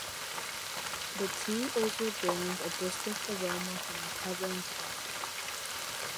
The tea also gains a distinct aroma from the covering process.